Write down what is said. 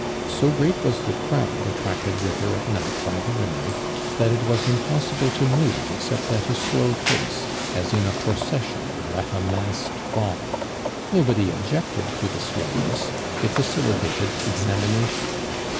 So great was the crowd attracted thither at night by the women, that it was impossible to move except at a slow pace, as in a procession or at a masked ball. Nobody objected to the slowness; it facilitated examination.